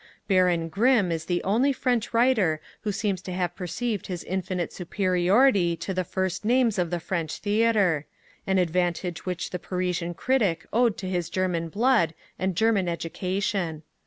Baron Grimm is the only French writer who seems to have perceived his infinite superiority to the first names of the French Theatre; an advantage which the Parisian Critic owed to his German blood and German education.